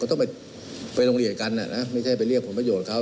ต้องไปโรงเรียนกันนะไม่ใช่ไปเรียกผลประโยชน์เขา